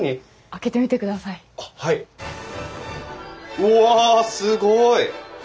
うわすごい！